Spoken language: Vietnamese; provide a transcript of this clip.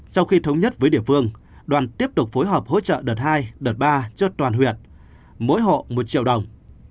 sau khi thống nhất với địa phương đoàn tiếp tục phối hợp hỗ trợ đợt hai đợt ba cho toàn huyện mỗi hộ một triệu đồng